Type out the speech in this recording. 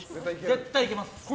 絶対いけます！